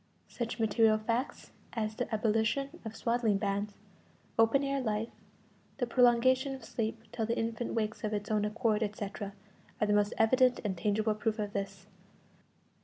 Such material facts as the abolition of swaddling bands, open air life, the prolongation of sleep till the infant wakes of its own accord, etc., are the most evident and tangible proof of this.